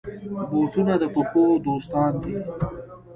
بوټونه د پښو دوستان دي.